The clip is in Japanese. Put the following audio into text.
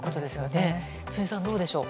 辻さん、どうでしょう。